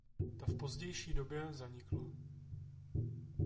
Ta v pozdější době zanikla.